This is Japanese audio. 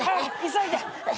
急いで。